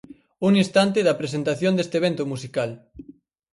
Un instante da presentación deste evento musical.